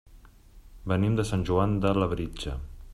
Venim de Sant Joan de Labritja.